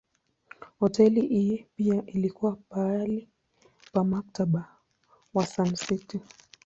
Hoteli hii pia ilikuwa mahali pa Mkataba wa Sun City.